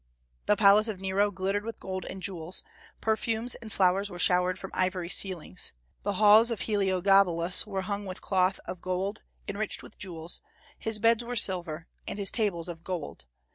The palace of Nero glittered with gold and jewels; perfumes and flowers were showered from ivory ceilings. The halls of Heliogabalus were hung with cloth of gold, enriched with jewels; his beds were silver, and his tables of gold.